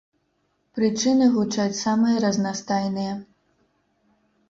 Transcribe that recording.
Прычыны гучаць самыя разнастайныя.